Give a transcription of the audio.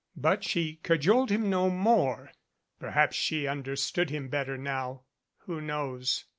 But she cajoled him no more. Perhaps she understood him better now. Who knows?